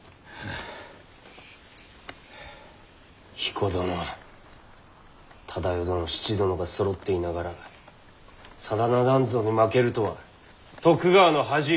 彦殿忠世殿七殿がそろっていながら真田なんぞに負けるとは徳川の恥。